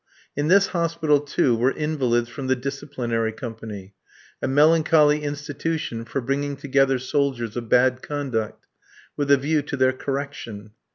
In this hospital, too, were invalids from the Disciplinary Company, a melancholy institution for bringing together soldiers of bad conduct, with a view to their correction.